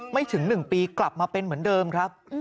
ไม่ถึง๑ปีกลับมาเป็นเหมือนเดิมครับ